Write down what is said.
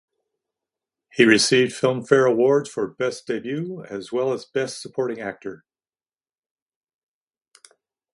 He received Filmfare Awards for "Best Debut" as well as "Best Supporting Actor".